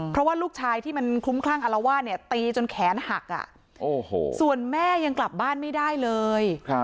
เพราะว่าลูกชายที่มันคลุ้มคลั่งอารวาสเนี่ยตีจนแขนหักส่วนแม่ยังกลับบ้านไม่ได้เลย